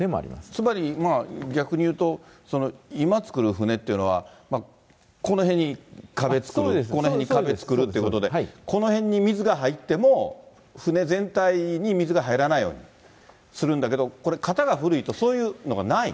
つまり、逆に言うと、今造る船っていうのは、この辺に壁作る、この辺に壁作るということで、この辺に水が入っても、船全体に水が入らないようにするんだけども、これ、型が古いとそういうのがない？